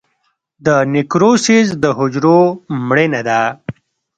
د نیکروسس د حجرو مړینه ده.